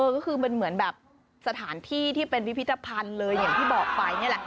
ก็คือมันเหมือนแบบสถานที่ที่เป็นพิพิธภัณฑ์เลยอย่างที่บอกไปนี่แหละ